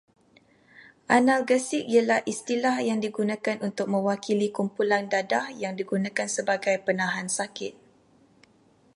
Analgesik ialah istilah yang digunakan untuk mewakili kumpulan dadah yang digunakan sebagai penahan sakit